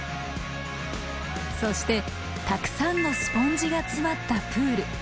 そしてたくさんのスポンジが詰まったプール。